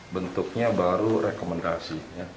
bentuknya baru rekomendasi